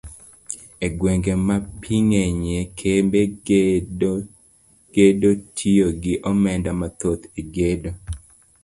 E gwenge ma pii ng'enyie, kembe gedo tiyo gi omenda mathoth e gedo.